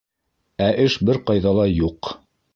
Ә эш бер ҡайҙа ла юҡ...